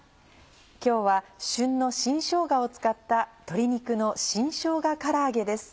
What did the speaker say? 今日は旬の新しょうがを使った「鶏肉の新しょうがから揚げ」です。